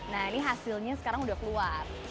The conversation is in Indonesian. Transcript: nah ini hasilnya sekarang udah keluar